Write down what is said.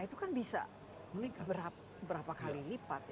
itu kan bisa berapa kali lipat